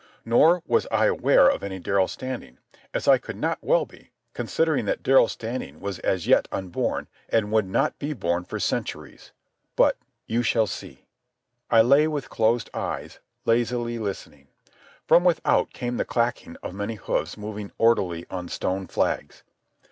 Nor was I aware of any Darrell Standing—as I could not well be, considering that Darrell Standing was as yet unborn and would not be born for centuries. But you shall see. I lay with closed eyes, lazily listening. From without came the clacking of many hoofs moving orderly on stone flags.